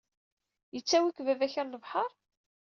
Yettawi-k baba-k ɣer lebḥer?